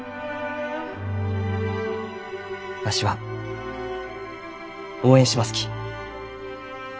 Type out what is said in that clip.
わしは応援しますき。